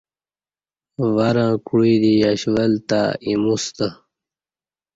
ورں کوعی دی یش ول تں ایموستہ